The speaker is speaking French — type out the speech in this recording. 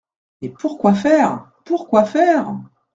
Mais pour quoi faire ? pour quoi faire ?